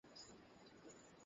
না, স্যার, এটা কোন ঠাট্টা না।